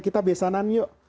kita besanan yuk